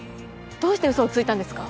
どうして嘘をついたんですか？